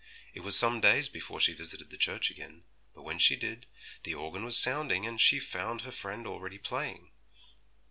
It was some days before she visited the church again; but when she did, the organ was sounding, and she found her friend already playing.